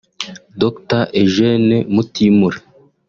Dr Eugène Mutimura